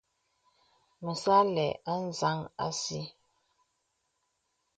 Me sà àlə̄ adiāŋ àsi.